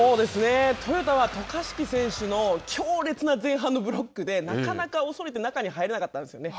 トヨタは渡嘉敷選手の強烈な前半のブロックでなかなか中に入れなかったんですね。